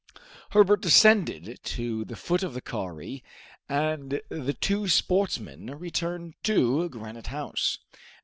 Herbert descended to the foot of the kauri, and the two sportsmen returned to Granite House.